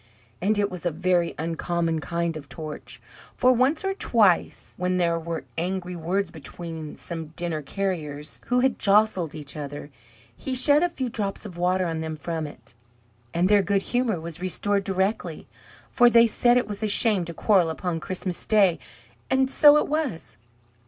And it was a very uncommon kind of torch, for once or twice when there were angry words between some dinner carriers who had jostled each other, he shed a few drops of water on them from it, and their good humour was restored directly. For they said it was a shame to quarrel upon Christmas Day. And so it was!